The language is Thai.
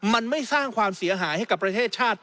มันไม่สร้างความเสียหายให้กับประเทศชาติ